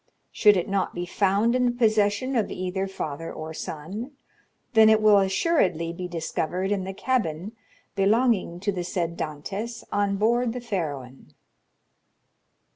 Should it not be found in possession of either father or son, then it will assuredly be discovered in the cabin belonging to the said Dantès on board the Pharaon."